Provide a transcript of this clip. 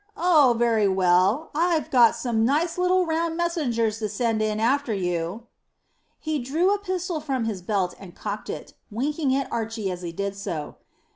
Oh, very well; I've got some nice little round messengers to send in after you." He drew a pistol from his belt and cocked it, winking at Archy as he did so.